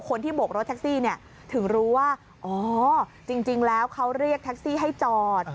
คนที่บกรถแท็กซี่เนี่ยถึงรู้ว่าอ๋อจริงแล้วเขาเรียกแท็กซี่ให้จอด